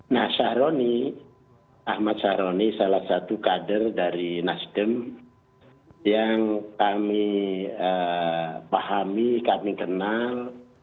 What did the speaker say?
nah syahroni ahmad syahroni salah satu kader dari nasdem yang kami pahami kami kenal